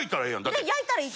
ねえ焼いたらいい。